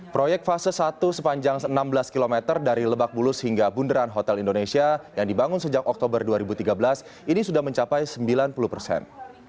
proyek fase satu sepanjang enam belas km dari lebak bulus hingga bundaran hotel indonesia yang dibangun sejak oktober dua ribu tiga belas ini sudah mencapai sembilan puluh persen